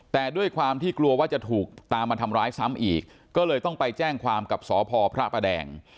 แต่ด้วยความที่กลัวว่าจะถูกตามมาทำร้ายซ้ำอีกก็เลยต้องไปแจ้งความกับสพพระประแดง